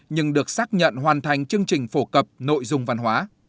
nhưng được xác nhận hoàn thành chương trình phổ cập nội dung văn hóa